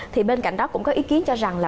thì bên cạnh đó cũng có ý kiến cho rằng là